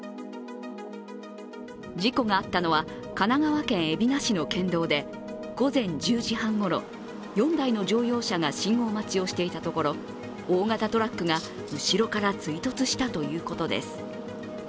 事故があったのは神奈川県海老名市の県道で午前１０時半ごろ、４台の乗用車が信号待ちをしていたところ大型トラックが後ろから追突したということです。